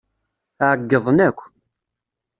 Ɛeyyḍen akk.